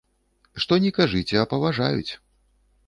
Што ні кажыце, а паважаюць!